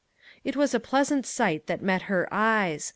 It was a pleasant sight that met her eyes.